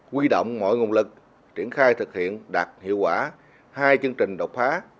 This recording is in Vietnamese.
quy động mọi nguồn lực triển khai thực hiện đạt hiệu quả hai chương trình đột phá